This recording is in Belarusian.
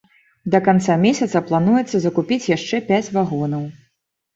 Да канца месяца плануецца закупіць яшчэ пяць вагонаў.